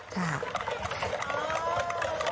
ใช่